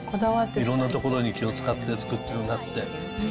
いろんなところに気を遣って作ってるなって。